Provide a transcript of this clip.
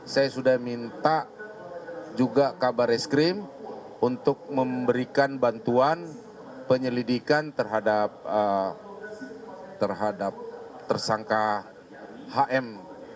saya sudah minta juga kabar eskrim untuk memberikan bantuan penyelidikan terhadap tersangka hm